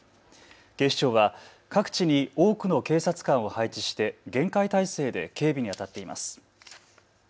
警視庁は各地に多くの警察官を配置して厳戒態勢で警備にあたっています。